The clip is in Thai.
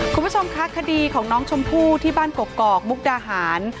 คุณผู้ชมคะคดีของน้องชมพู่ที่บ้านกกอกมุกดาหาร